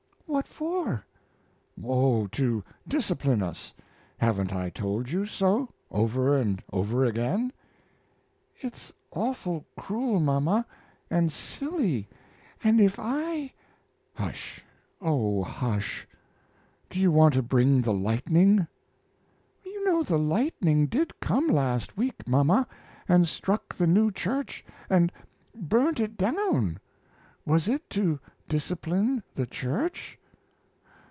"What for?" "Oh, to discipline us! Haven't I told you so, over and over again?" "It's awful cruel, mama! And silly! and if I " "Hush, oh, hush! Do you want to bring the lightning?" "You know the lightning did come last week, mama, and struck the new church, and burnt it down. Was it to discipline the church?"